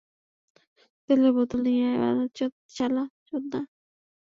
তেলের বোতল নিয়ে আয়, মাদারচোদ, শালা চোদনা!